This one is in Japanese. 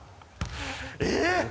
え？